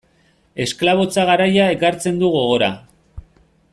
Esklabotza garaia ekartzen du gogora.